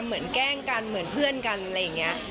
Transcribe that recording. เหมือนแกล้งกันเหมือนเพื่อนกันอะไรอย่างเงี้ย